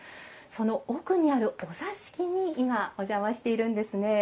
その奥にある、お座敷に今、お邪魔しているんですね。